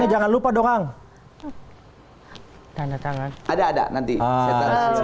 jangan lupa dongang tanda tangan ada ada nanti